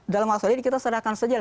dalam hal ini kita serahkan saja